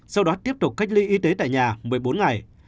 sau đó tiếp tục cách ly y tế tại nhà một mươi bốn ngày